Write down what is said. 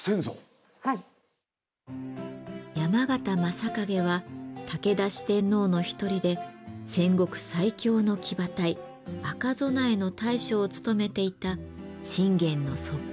山県昌景は武田四天王の一人で戦国最強の騎馬隊「赤備え」の大将を務めていた信玄の側近中の側近。